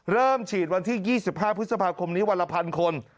เริ่มฉีดวันที่๒๕พฤษภาคมนี้วันละพันคน